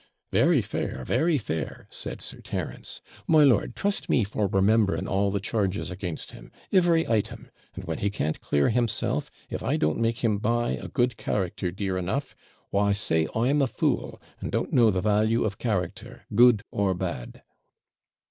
'Very fair! very fair!' said Sir Terence. 'My lord, trust me for remembering all the charges against him every item; and when he can't clear himself, if I don't make him buy a good character dear enough, why, say I'm a fool, and don't know the value of character, good or bad!'